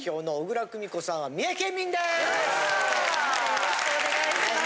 よろしくお願いします。